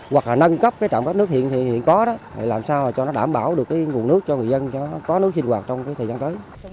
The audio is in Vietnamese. hoặc là nâng cấp trạm cấp nước hiện có làm sao cho nó đảm bảo được nguồn nước cho người dân có nước sinh hoạt trong thời gian tới